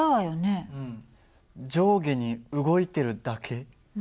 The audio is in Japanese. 上下に動いてるだけ？